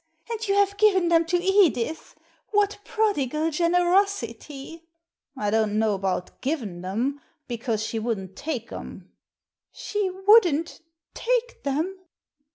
And you have given them to Edith! What prodigal generosity !" "I don't know about given 'em, because she wouldn't take 'em." " She wouldn't take them